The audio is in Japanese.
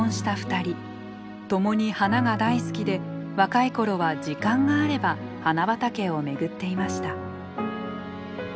ともに花が大好きで若い頃は時間があれば花畑を巡っていました。